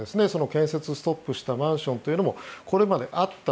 建設ストップしたマンションというのもこれまであった。